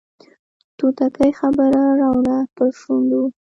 توتکۍ خبره راوړله پر شونډو